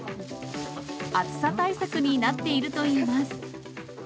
暑さ対策になっているといいます。